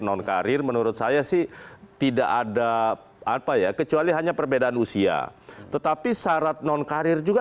nonkarir menurut saya sih tidak ada apa ya kecuali hanya perbedaan usia tetapi syarat nonkarir juga